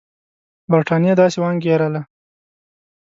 برټانیې داسې وانګېرله.